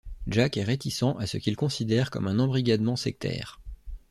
Jack est réticent à ce qu’il considère comme un embrigadement sectaire.